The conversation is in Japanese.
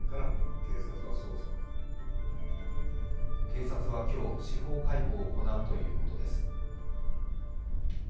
警察は今日、司法解剖を行うということです。